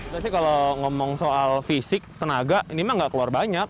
kalau ngomong soal fisik tenaga ini memang tidak keluar banyak